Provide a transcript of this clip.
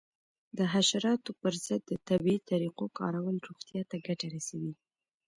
د حشراتو پر ضد د طبیعي طریقو کارول روغتیا ته ګټه رسوي.